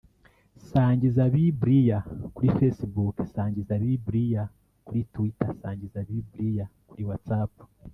Sangira bibliya kuri FacebookSangiza bibliya kuri TwitterSangira bibliya kuri Whatsapp